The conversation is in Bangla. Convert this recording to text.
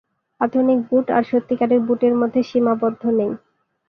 আধুনিক "বুট" আর সত্যিকারের বুট এর মধ্যে সীমাবদ্ধ নেই।